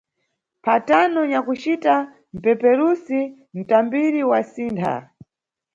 Mphatano nyakucita- mpeperusi –mtambiri wasintha.